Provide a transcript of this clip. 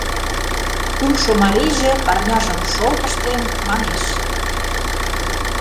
Кумшо марийже парняжым шолт ыштен манеш: